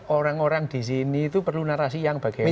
orang orang di sini itu perlu narasi yang bagaimana